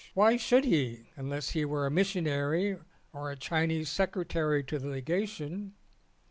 Why should he unless he were a missionary or a Chinese Secretary at the Lega tion?